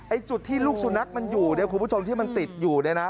จุดที่ลูกสุนัขมันอยู่เนี่ยคุณผู้ชมที่มันติดอยู่เนี่ยนะ